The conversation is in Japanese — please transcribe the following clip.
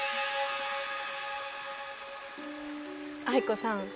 藍子さん